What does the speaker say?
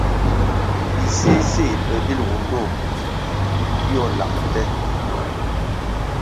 Biséséh pe dilgu ndtoh bur bíőh lang nte.